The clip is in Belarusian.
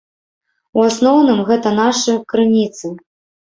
У асноўным гэта нашы крыніцы.